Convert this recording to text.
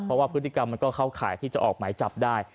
เพราะว่าพฤติกรรมมันก็เข้าข่ายที่จะออกหมายจับได้